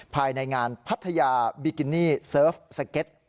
ภายในงานพัทยาบิกินี่เซิร์ฟสเก็ต